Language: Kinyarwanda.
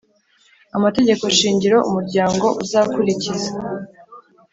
amategeko shingiro umuryango uzakurikiza